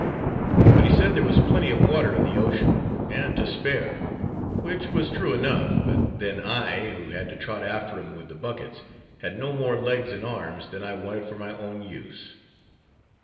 But he said there was plenty of water in the ocean, and to spare; which was true enough, but then I who had to trot after him with the buckets, had no more legs and arms than I wanted for my own use.